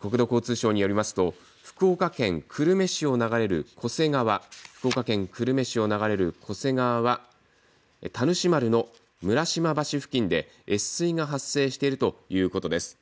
国土交通省によりますと福岡県久留米市を流れる巨瀬川福岡県久留米市を流れる巨瀬川は田主丸の村島橋付近で越水が発生しているということです。